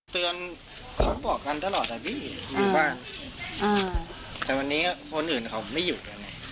เขาบอกกันตลอดอ่ะพี่อยู่บ้านอ่าแต่วันนี้คนอื่นเขาไม่หยุดยังไง